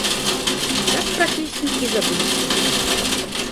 Так пра песню і забыліся.